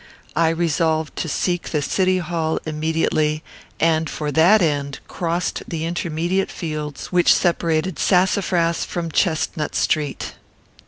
I resolved to seek the City Hall immediately, and, for that end, crossed the intermediate fields which separated Sassafras from Chestnut Street.